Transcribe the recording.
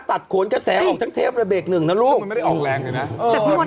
มันเป็นคุณเปียงหมอปะน่ะไม่เปียง